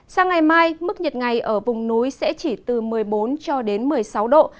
sang ngày mai mức nhiệt ngày ở vùng núi sẽ chỉ từ một mươi bốn cho đến một mươi sáu độ